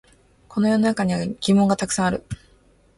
この世の中には疑問がたくさんある